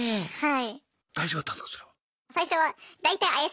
はい。